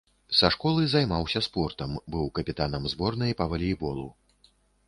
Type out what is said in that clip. Са школы займаўся спортам, быў капітанам зборнай па валейболу.